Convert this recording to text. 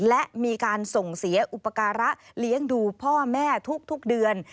และมีการส่งเสียอุปการะเลี้ยงดูพ่อแม่ทุกเดือน